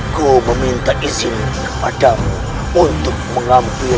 kita harus perjuang